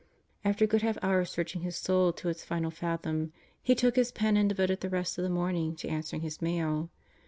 After a good half hour of searching his soul to its final fathom he took his pen and devoted the rest of the morning to answering his mail.